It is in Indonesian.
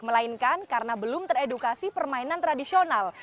melainkan karena belum teredukasi permainan tradisional